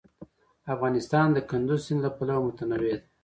افغانستان د کندز سیند له پلوه متنوع دی.